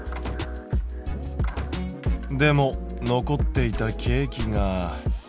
でも残っていたケーキが。